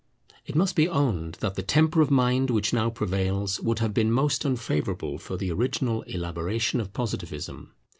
It must be owned that the temper of mind which now prevails would have been most unfavourable for the original elaboration of Positivism.